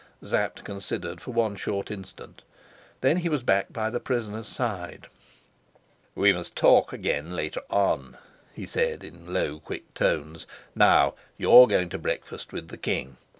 Sapt considered for one short instant; then he was back by the prisoner's side. "We must talk again later on," he said, in low quick tones. "Now you're going to breakfast with the king.